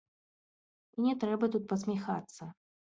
І не трэба тут пасміхацца.